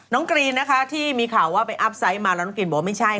กรีนนะคะที่มีข่าวว่าไปอัพไซต์มาแล้วน้องกรีนบอกว่าไม่ใช่